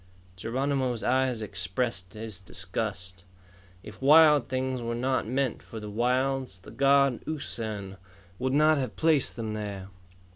Geronimo's eyes expressed his disgust. If wild things were not meant for the wilds, the god, Usan, would not have placed them there.